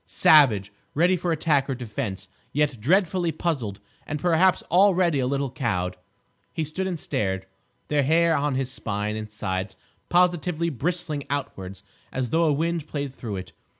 Savage, ready for attack or defence, yet dreadfully puzzled and perhaps already a little cowed, he stood and stared, the hair on his spine and sides positively bristling outwards as though a wind played through it.